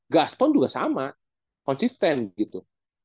gaston juga sama konsisten gitu